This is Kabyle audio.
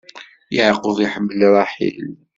Yeɛqub iḥemmel Ṛaḥil.